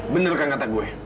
bener kan kata gue